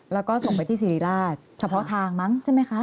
แล้วก็ส่งไปที่สิริราชเฉพาะทางมั้งใช่ไหมคะ